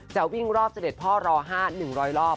จะวิ่งรอบเสด็จพ่อรอห้าหนึ่งร้อยรอบ